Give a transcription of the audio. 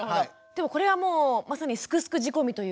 でもこれはもうまさに「すくすく」仕込みというか。